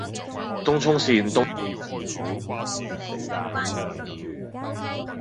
東涌綫：東涌西，東涌，東涌東，小蠔灣，欣澳，